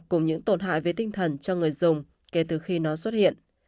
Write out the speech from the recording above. cùng những tổn hại về tinh thần cho người dùng kể từ khi nó xuất hiện